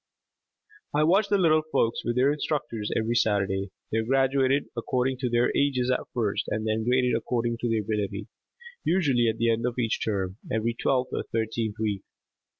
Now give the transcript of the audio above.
I watch the little folks with their instructors every Saturday. They are graduated according to their ages at first, and then graded according to ability, usually at the end of each term (every twelfth or thirteenth week).